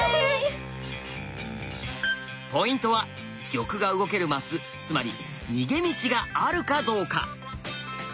ポイントは玉が動けるマスつまり逃げ道があるかどうか。